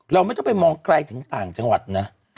เราไม่ต้องไปมองไกลถึงต่างจังหวัดนะ